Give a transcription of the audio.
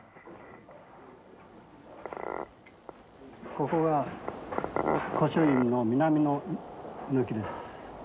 ここが古書院の南の軒です。